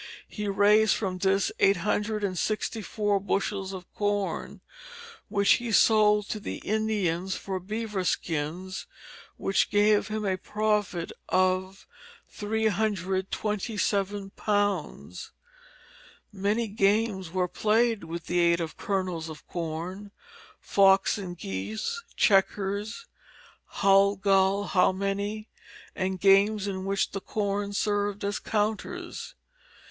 He raised from this eight hundred and sixty four bushels of corn, which he sold to the Indians for beaver skins which gave him a profit of £327. Many games were played with the aid of kernels of corn: fox and geese, checkers, "hull gull, how many," and games in which the corn served as counters.